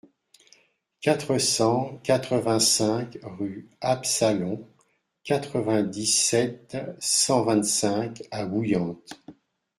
quatre cent quatre-vingt-cinq rue Absalon, quatre-vingt-dix-sept, cent vingt-cinq à Bouillante